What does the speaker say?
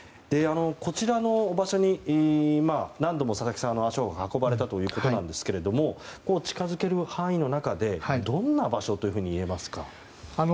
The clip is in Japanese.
こちらの場所に何度も佐々木さんは足を運ばれたということなんですが近づける範囲の中でどんな場所と言えますか？